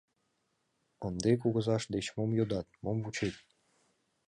Ынде кугызашт деч мом йодат, мом вучет?